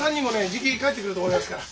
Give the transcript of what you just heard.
じき帰ってくると思いますから。